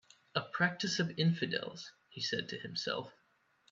"A practice of infidels," he said to himself.